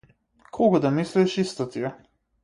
Колку да мислиш исто ти е.